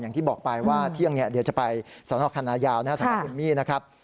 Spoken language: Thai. อย่างที่บอกไปว่าเที่ยงเดี๋ยวจะไปสนคณะยาวสำหรับคุณมี่นะครับ